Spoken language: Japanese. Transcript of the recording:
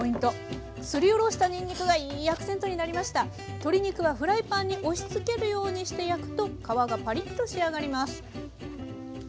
鶏肉はフライパンに押しつけるようにして焼くと皮がパリッと仕上がります。